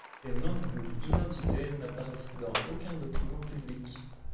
Ces noms ou identités n'apparaissent dans aucun document public.